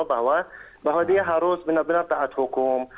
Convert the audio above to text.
bahwa dia harus benar benar taat hukum